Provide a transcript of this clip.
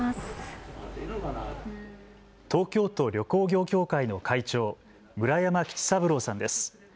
東京都旅行業協会の会長、村山吉三郎さんです。